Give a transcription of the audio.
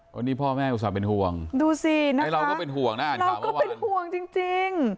วันนี้พ่อแม่อุตส่าห์เป็นห่วงดูสินะคะเราก็เป็นห่วงน่ะเราก็เป็นห่วงจริง